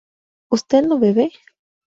¿usted no bebe?